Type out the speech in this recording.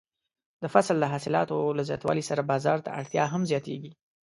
د فصل د حاصلاتو له زیاتوالي سره بازار ته اړتیا هم زیاتیږي.